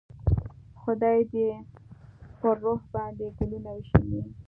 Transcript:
خدای دې یې پر روح باندې ګلونه وشیندي.